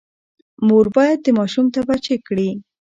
مور باید د ماشوم تبه چیک کړي۔